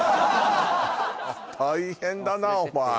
大変だなお前